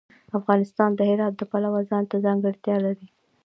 افغانستان د هرات د پلوه ځانته ځانګړتیا لري.